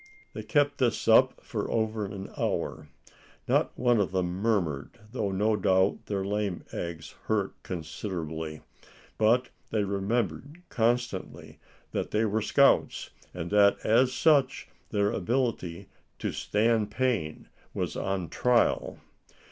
They kept this up for over an hour. Not one of them murmured, though no doubt their lame legs hurt considerably. But they remembered constantly that they were scouts; and that as such, their ability to stand pain was on trial.